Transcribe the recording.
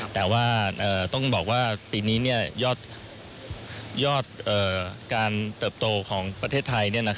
แต่ว่าต้องบอกว่าปีนี้ยอดการเติบโตของประเทศไทย